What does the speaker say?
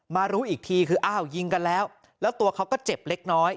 รู้อีกทีคืออ้าวยิงกันแล้วแล้วตัวเขาก็เจ็บเล็กน้อย